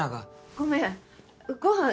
ごめんごはん